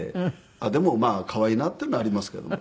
でもまあ可愛いなっていうのはありますけども。